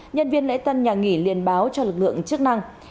nhân viên lễ tân nhà nghỉ liên báo cho lực lượng chức năng